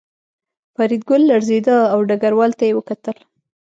فریدګل لړزېده او ډګروال ته یې وکتل